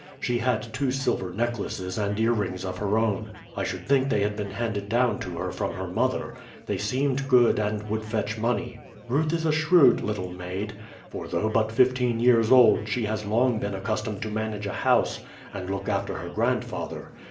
She had two silver necklaces and earrings of her own. I should think they had been handed down to her from her mother; they seemed good and would fetch money. Ruth is a shrewd little maid; for though but fifteen years old she has long been accustomed to manage a house and look after her grandfather.